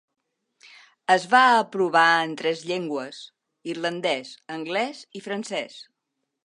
s va aprovar en tres llengües: irlandès, anglès i francès.